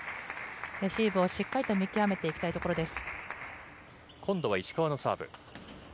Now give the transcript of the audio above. レシーブをしっかり見極めていきたいところです。